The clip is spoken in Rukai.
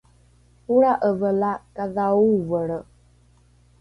ora’eve la kadhao ovelre